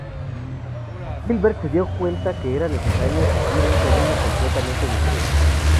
Hilbert se dio cuenta de que era necesario seguir un camino completamente diferente.